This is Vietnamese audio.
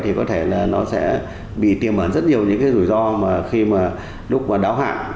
thì có thể là nó sẽ bị tiêm ẩn rất nhiều những cái rủi ro mà khi mà lúc đáo hạn